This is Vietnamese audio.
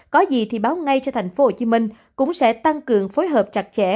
có gì thì báo ngay cho tp hcm cũng sẽ tăng cường phối hợp chặt chẽ